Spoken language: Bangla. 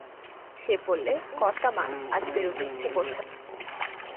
সে বললে, কর্তা-মা, আজ বেরোতে ইচ্ছে করছে না।